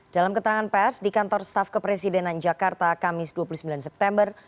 dalam keterangan pers di kantor staf kepresidenan jakarta kamis dua puluh sembilan september